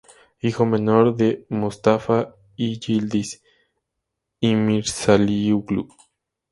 Hijo menor de Mustafa y Yıldız İmirzalıoğlu.